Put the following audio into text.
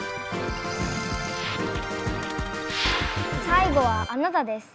さいごはあなたです。